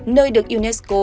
nơi được unesco